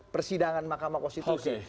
persidangan mahkamah konstitusi